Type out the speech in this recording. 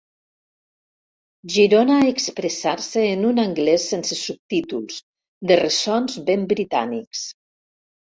Girona a expressar-se en un anglès sense subtítols, de ressons ben britànics.